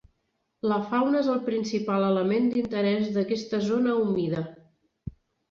La fauna és el principal element d'interès d'aquesta zona humida.